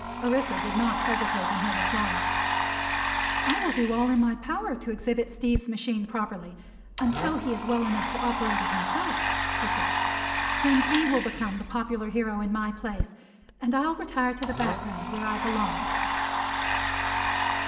Orissa did not hesitate in her reply. "I will do all in my power to exhibit Steve's machine properly, until he is well enough to operate it himself," she said. "Then he will become the popular hero in my place, and I'll retire to the background, where I belong."